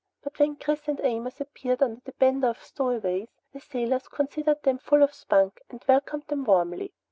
But when Chris and Amos appeared under the banner of "stowaways," the sailors considered them full of spunk, and welcomed them warmly.